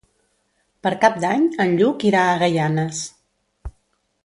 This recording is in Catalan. Per Cap d'Any en Lluc irà a Gaianes.